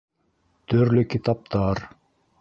— Төрлө китаптар.